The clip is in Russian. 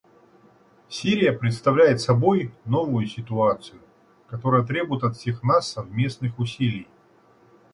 Сирия представляет собой новую ситуацию, которая требует от всех нас совместных усилий.